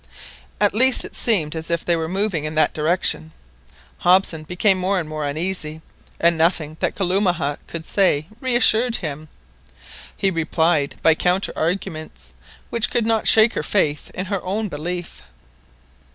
At least it seemed as if they were moving in that direction. Hobson became more and more uneasy, and nothing that Kalumah could say reassured him. He replied by counter arguments, which could not shake her faith in her own belief.